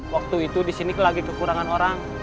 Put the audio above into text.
waktu itu di sini lagi kekurangan orang